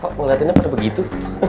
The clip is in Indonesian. kok ngeliatinnya pada begitu